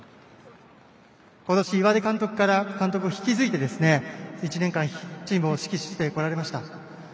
今年岩出監督から監督を引き継いで１年間チームを指揮してこられました。